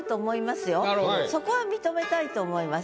そこは認めたいと思います。